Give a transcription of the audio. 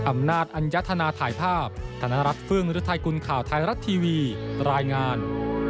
อำนาจอัญญาธนาถ่ายภาพธนรัฐเฟืองหรือไทยคุณข่าวธนรัฐทีวีรายงาน